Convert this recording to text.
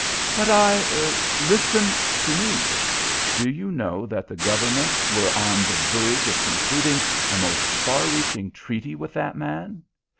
"But I " "Listen to me. Do you know that the government were on the verge of concluding a most far reaching treaty with that man?